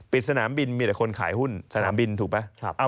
สนามบินมีแต่คนขายหุ้นสนามบินถูกไหม